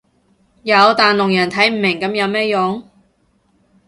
有但聾人睇唔明噉有咩用